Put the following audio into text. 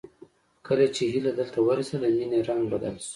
کله چې هيله دلته ورسېده د مينې رنګ بدل شو